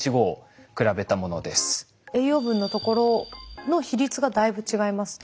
栄養分のところの比率がだいぶ違いますね。